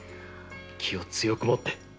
気を強くもって！